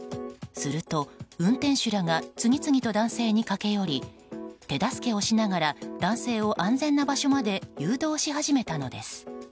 すると、運転手らが次々と男性に駆け寄り手助けをしながら男性を安全な場所まで誘導し始めたのです。